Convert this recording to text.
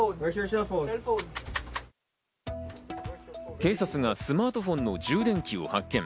警察がスマートフォンの充電器を発見。